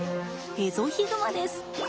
エゾヒグマです。